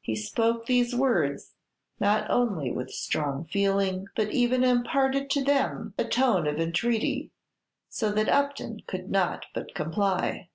He spoke these words not only with strong feeling, but even imparted to them a tone of entreaty, so that Upton could not but comply.